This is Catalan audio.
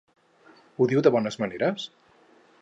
Ho diu de bones maneres?